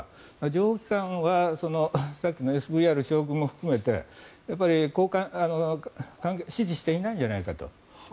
情報機関はさっきのＳＶＲ将軍も含めて指示していないんじゃないかと。